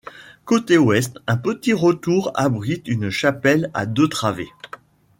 Côté ouest, un petit retour abrite une chapelle à deux travées.